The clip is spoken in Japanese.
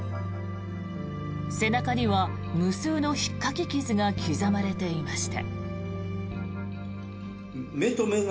背中には無数の引っかき傷が刻まれていました。